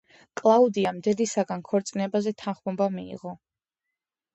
კლაუდიამ დედისაგან ქორწინებაზე თანხმობა მიიღო.